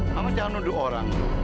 kamu jangan nuduh orang